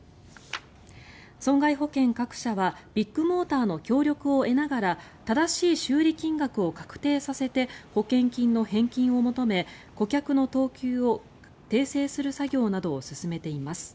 損害保険各社はビッグモーターの協力を得ながら正しい修理金額を確定させて保険金の返金を求め顧客の等級を訂正する作業などを進めています。